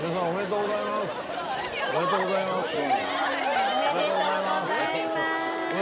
おめでとうございます。